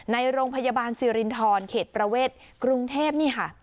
ในโรงพยาบาลสิรินทรเขตประเวทกรุงเทพนี่ค่ะ